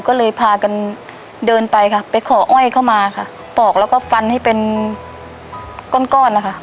ก็เลยพากันเดินไปค่ะไปขออ้อยเข้ามาค่ะปอกแล้วก็ฟันให้เป็นก้อนก้อนนะคะ